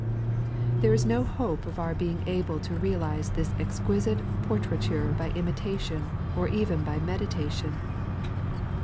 There is no hope of our being able to realize this ex quisite portraiture by imitation or even by meditation.